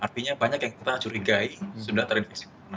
artinya banyak yang kita curigai sudah terinfeksi